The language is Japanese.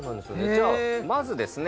じゃあまずですね